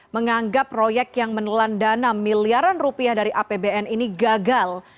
menganggap proyek yang menelan dana miliaran rupiah dari apbn ini gagal